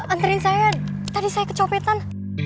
anterin saya tadi saya kecopetan